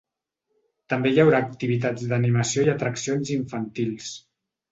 També hi haurà activitats d’animació i atraccions infantils.